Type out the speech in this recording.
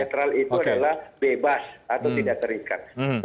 netral itu adalah bebas atau tidak terikat